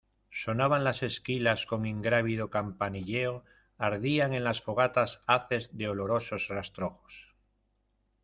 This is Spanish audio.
sonaban las esquilas con ingrávido campanilleo, ardían en las fogatas haces de olorosos rastrojos